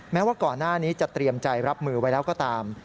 แม้ว่าก่อนหน้านี้จะเตรียมใจรับมือไว้แล้วก็ตาม